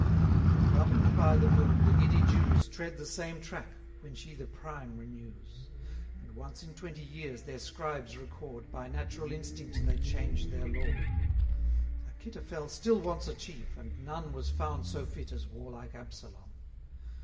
For, govern'd by the moon, the giddy Jews Tread the same track, when she the prime renews; And once in twenty years, their scribes record, By natural instinct they change their lord. Achitophel still wants a chief, and none 220 Was found so fit as warlike Absalom.